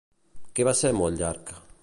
Què va ser molt llarg?